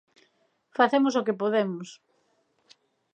Facemos o que podemos.